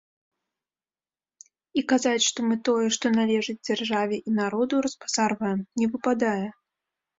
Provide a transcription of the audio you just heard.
І казаць, што мы тое, што належыць дзяржаве і народу, разбазарваем, не выпадае.